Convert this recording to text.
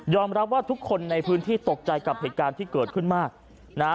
รับว่าทุกคนในพื้นที่ตกใจกับเหตุการณ์ที่เกิดขึ้นมากนะฮะ